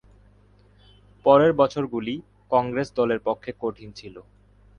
পরের বছরগুলি কংগ্রেস দলের পক্ষে কঠিন ছিল।